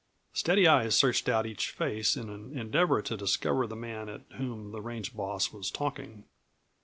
Steady eyes searched out each face in an endeavor to discover the man at whom the range boss was talking.